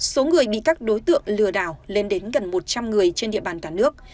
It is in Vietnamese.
số người bị các đối tượng lừa đảo lên đến gần một trăm linh người trên địa bàn cả nước